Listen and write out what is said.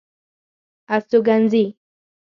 استوګنځي